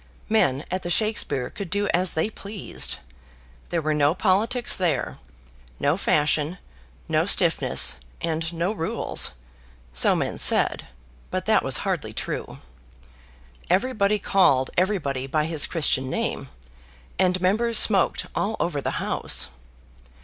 Men at the Shakspeare could do as they pleased. There were no politics there, no fashion, no stiffness, and no rules, so men said; but that was hardly true. Everybody called everybody by his Christian name, and members smoked all over the house.